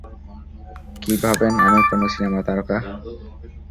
কী ভাবেন আমি কোনো সিনেমা তারকা?